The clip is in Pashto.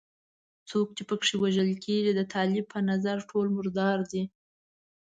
څوک چې په کې وژل کېږي د طالب په نظر ټول مردار دي.